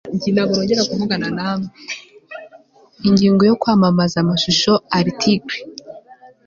Ingingo ya Kwamamaza amashusho Article